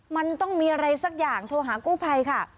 มันต้องมีอะไรสักอย่างโทรหากู้ภัยค่ะ